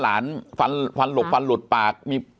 แต่คุณยายจะขอย้ายโรงเรียน